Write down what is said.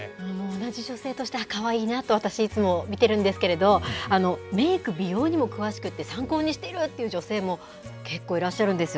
同じ女性として、あっ、かわいいなと、私、いつも見てるんですけど、メーク、美容にも詳しくって、参考にしているっていう女性も結構いらっしゃるんですよ。